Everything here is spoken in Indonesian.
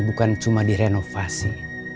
bukan cuma direnovasi